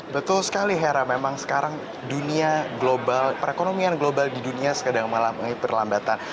betul sekali hera memang sekarang dunia global perekonomian global di dunia sekarang mengalami perlambatan